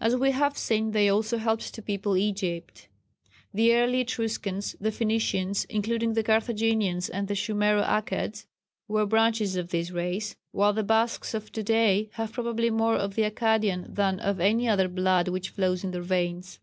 As we have seen, they also helped to people Egypt. The early Etruscans, the Phoenicians, including the Carthaginians and the Shumero Akkads, were branches of this race, while the Basques of to day have probably more of the Akkadian than of any other blood which flows in their veins.